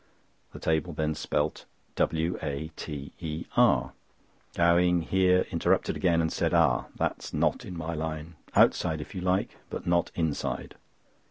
The table then spelt "WATER." Gowing here interrupted again, and said: "Ah! that's not in my line. Outside if you like, but not inside."